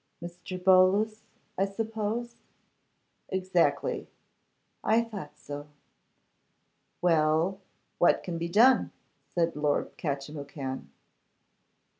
'Mr. Bolus, I suppose?' 'Exactly.' 'I thought so.' 'Well, what can be done?' said Lord Catchimwhocan.